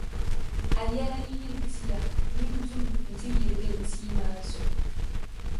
A yɛla yi yili tia nyin’ dum’ nti yiligi li tia maa zuɣu.